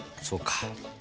そうか。